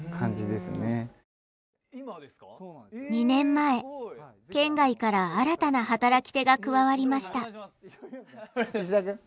２年前県外から新たな働き手が加わりました。